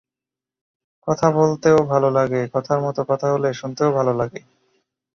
কথা বলতেও ভালো লাগে, কথার মতো কথা হলে শুনতেও ভালো লাগে।